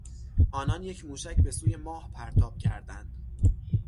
آنان یک موشک به سوی ماه پرتاب کردند.